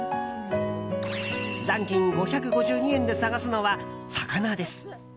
残金５５２円で探すのは、魚です。